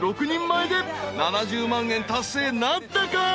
６人前で７０万円達成なったか？］